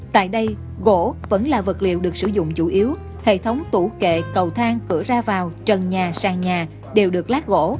tại đây gỗ vẫn là vật liệu được sử dụng chủ yếu hệ thống tủ kệ cầu thang cửa ra vào trần nhà sàn nhà đều được lát gỗ